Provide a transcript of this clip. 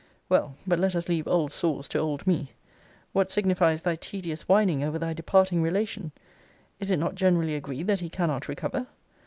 Well, but let us leave old saws to old me. What signifies thy tedious whining over thy departing relation? Is it not generally agreed that he cannot recover?